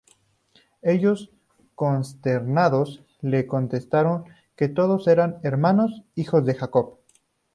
Ellos, consternados, le contestaron que todos eran hermanos, hijos de Jacob.